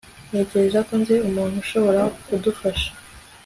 ntekereza ko nzi umuntu ushobora kudufasha